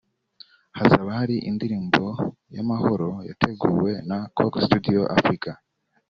hazaba hari indirimbo y’amahoro yateguwe na Coke Studio Afrika